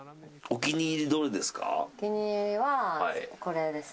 お気に入りはこれです。